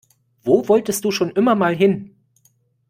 Wo wolltest du schon immer mal hin?